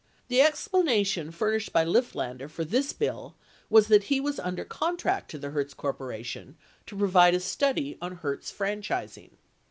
The explanation furnished by Lifflander for this bill was that he was under contract to the Hertz Corp. to provide a study on Hertz franchising.